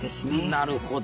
なるほど。